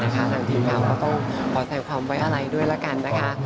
ทางทีมข่าวก็ต้องขอแสดงความไว้อะไรด้วยละกันนะคะ